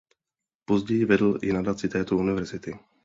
Později vedl i nadaci této univerzity.